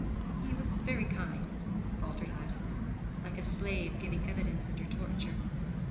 'He was very kind,' faltered Ida, like a slave giving evidence under torture.